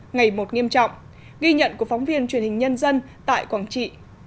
ngày một nghiêm trọng ghi nhận của phóng viên truyền hình nhân dân tại quảng trị